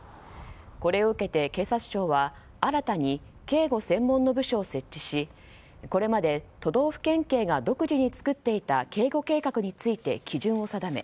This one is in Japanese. これを受けて、警察庁は新たに警護専門の部署を設置しこれまで都道府県警が独自に作っていた警護計画について基準を定め